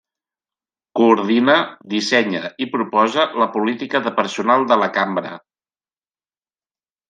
Coordina, dissenya i proposa la política de personal de la Cambra.